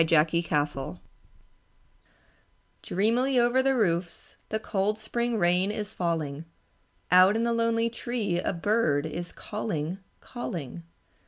Twilight Dreamily over the roofs The cold spring rain is falling; Out in the lonely tree A bird is calling, calling.